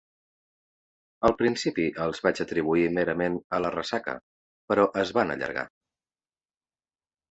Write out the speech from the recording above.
Al principi els vaig atribuir merament a la ressaca, però es van allargar.